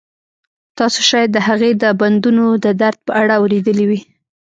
تاسو شاید د هغې د بندونو د درد په اړه اوریدلي وي